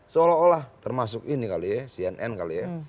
seolah olah termasuk ini kali ya cnn kali ya